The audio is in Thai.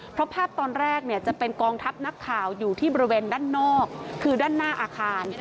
เพราะภาพตอนแรกเนี่ยจะเป็นกองทัพนักข่าวอยู่ที่บริเวณด้านนอกคือด้านหน้าอาคาร